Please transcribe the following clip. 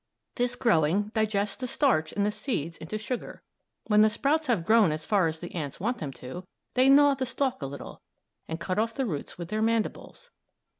This growing digests the starch in the seeds into sugar. When the sprouts have grown as far as the ants want them to, they gnaw the stalk a little, and cut off the roots with their mandibles.